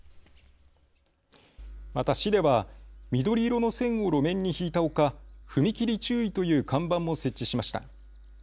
また市では緑色の線を路面に引いたほか、踏切注意という看板も設置しました。